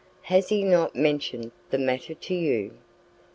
Has he not mentioned the matter to you?"